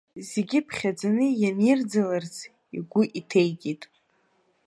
Зегьы ԥхьаӡаны ианирӡаларц игәы иҭеикит.